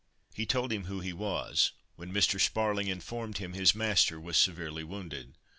he told him who he was, when Mr. Sparling informed him his master was severely wounded.